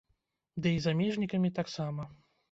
Ды і замежнікамі таксама.